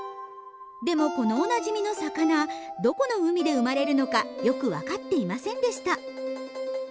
でもこのおなじみの魚はどこの海で生まれるのかよく分かっていませんでした。